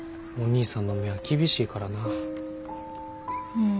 うん。